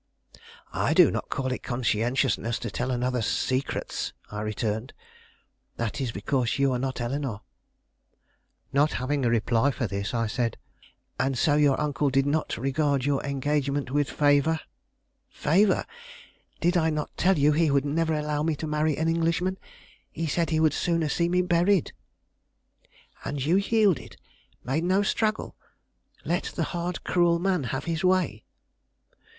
"I do not call it conscientiousness to tell another's secrets," I returned. "That is because you are not Eleanore." Not having a reply for this, I said, "And so your uncle did not regard your engagement with favor?" "Favor! Did I not tell you he would never allow me to marry an Englishman? He said he would sooner see me buried." "And you yielded? Made no struggle? Let the hard, cruel man have his way?"